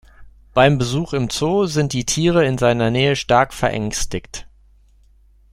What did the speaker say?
Beim Besuch im Zoo sind die Tiere in seiner Nähe stark verängstigt.